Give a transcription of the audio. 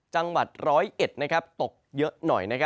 จังหวัดร้อยเอ็ดตกเยอะหน่อย